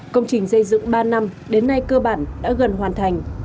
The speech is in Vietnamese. công trình xây dựng ba năm đến nay cơ bản đã gần hoàn thành